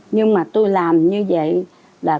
nhưng mà tôi làm như vậy là